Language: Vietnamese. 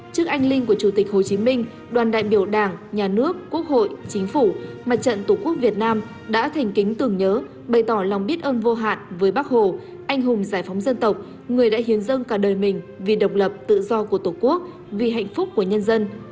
trước anh linh của chủ tịch hồ chí minh đoàn đại biểu đảng nhà nước quốc hội chính phủ mặt trận tổ quốc việt nam đã thành kính tưởng nhớ bày tỏ lòng biết ơn vô hạn với bắc hồ anh hùng giải phóng dân tộc người đã hiến dâng cả đời mình vì độc lập tự do của tổ quốc vì hạnh phúc của nhân dân